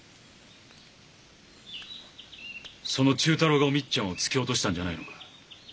その忠太郎がお美津ちゃんを突き落としたんじゃないのか？